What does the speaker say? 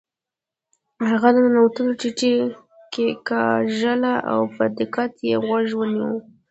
هغه د ننوتلو تڼۍ کیکاږله او په دقت یې غوږ ونیو